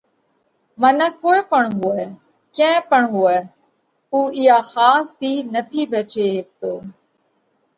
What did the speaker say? منک ڪوئي پڻ هوئہ، ڪئين پڻ هوئہ اُو اِيئا ۿاس ٿِي نٿِي ڀچي هيڪتو۔